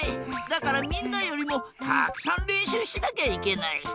だからみんなよりもたくさんれんしゅうしなきゃいけない。